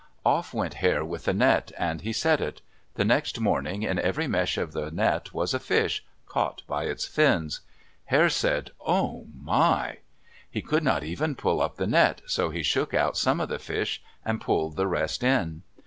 Off went Hare with the net, and he set it. The next morning in every mesh of the net was a fish, caught by its fins. Hare said, "Oh, my!" He could not even pull up the net, so he shook out some of the fish and pulled the rest in.